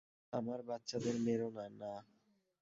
আমার বাচ্চাদের মেরোনা, না।